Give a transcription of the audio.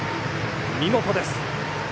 見事です。